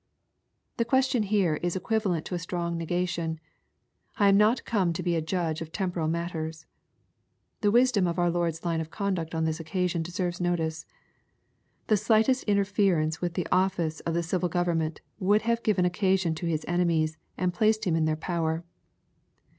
'] The question here is equivalent to a strong negation. —" I am not come to be a judge of temporal mat t,er8." The wisdom of our Lord's line of conduct on this occasion deserves notice. The slightest interference with the oflBce of the civil government would have given occasion to His enemies, and placed Him in their power.